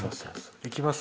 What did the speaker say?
行きます？